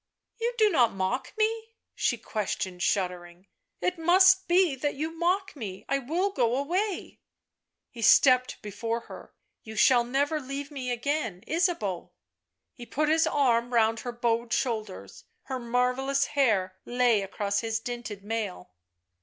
" You do not mock me ?" she questioned, shuddering. " It must be that you mock me — I will go away " He stepped before her. " You shall never leave me again, Ysabeau." He put his arm round her bowed shoulders. Her marvellous hair lay across his dinted mail.